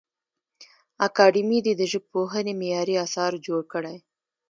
اکاډمي دي د ژبپوهنې معیاري اثار جوړ کړي.